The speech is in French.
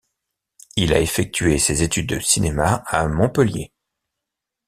Il a effectué ses études de cinéma à Montpellier.